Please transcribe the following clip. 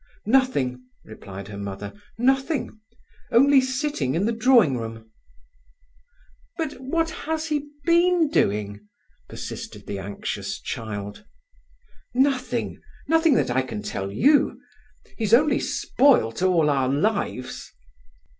"Nothing," replied her mother—"nothing; only sitting in the drawing room." "But what has he been doing?" persisted the anxious child. "Nothing—nothing that I can tell you. He's only spoilt all our lives."